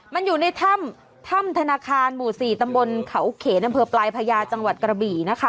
มันอยู่ในถ้ำถ้ำธนาคารหมู่๔ตำบลเขาเขนอำเภอปลายพญาจังหวัดกระบี่นะคะ